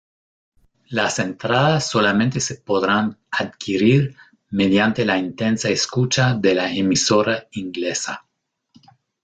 Las entradas solamente se podrán adquirir mediante la intensa escucha de la emisora inglesa.